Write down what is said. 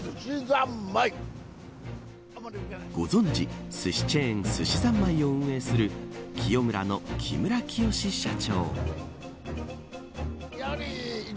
ご存じ、すしチェーンすしざんまいを運営する喜代村の木村清社長。